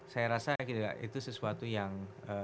saya rasa itu sesuatu yang